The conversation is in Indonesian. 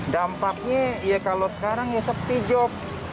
dampaknya ya kalau sekarang seperti job